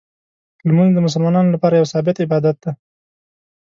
لمونځ د مسلمانانو لپاره یو ثابت عبادت دی.